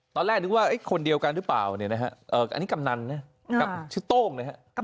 ตอนแรกนึกว่าเอ๊ะคนเดียวกันหรือเปล่าเนี่ยนะฮะเอ่ออันนี้กำนานน่ะ